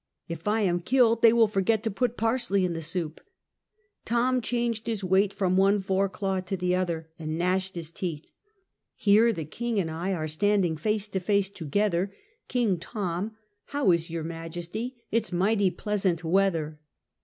If I am killed, they will forget to put parsley in the soup. Tom changed his weight from one fore claw to the other, and gnashed his teeth. " Here, the king and I are standing face and face together; King Tom, how is your majesty, it's mighty pleasant weather."